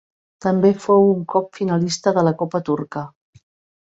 També fou un cop finalista de la copa turca.